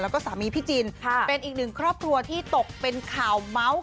แล้วก็สามีพี่จินเป็นอีกหนึ่งครอบครัวที่ตกเป็นข่าวเมาส์